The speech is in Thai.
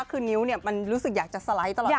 คือนิ้วมันรู้สึกอยากจะสไลด์ตลอด